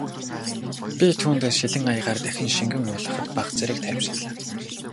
Би түүнд шилэн аягаар дахин шингэн уулгахад бага зэрэг тайвширлаа.